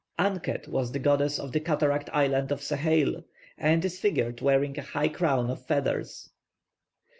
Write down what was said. +Anqet+ was the goddess of the cataract island of Seheyl, and is figured wearing a high crown of feathers.